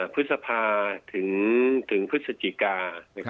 พฤษภาถึงพฤศจิกา